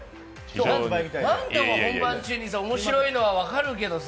何でお前本番中に面白いのはわかるけどさ。